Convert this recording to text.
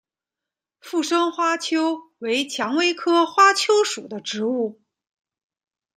附生花楸为蔷薇科花楸属的植物。